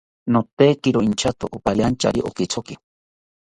Notekiro inchato opariantyari okithoki